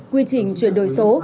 quy trình chuyển đổi số